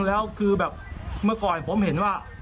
แล้วคือแบบเมื่อก่อนผมเห็นว่า